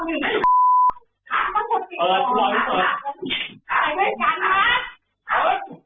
มันยังไม่อยู่บ้านนี้เลยไงอ่ะ